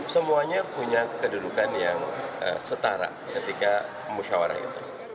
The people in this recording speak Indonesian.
semuanya punya kedudukan yang setara ketika musyawarah itu